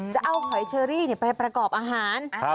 จะเอาหอยเชอรี่ไปประกอบอาหาร